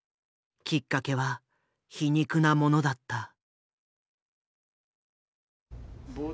きっかけは皮肉なものだった。